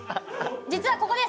実はここです。